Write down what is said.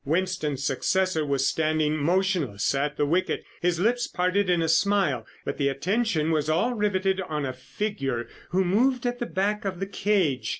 Winston's successor was standing motionless at the wicket, his lips parted in a smile, but the attention of all was riveted on a figure who moved at the back of the cage.